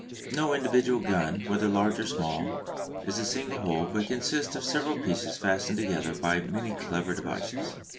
No individual gun, whether large or small, is a single whole, but consists of several pieces fastened together by many clever devices.